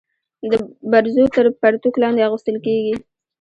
برزو تر پرتوګ لاندي اغوستل کيږي.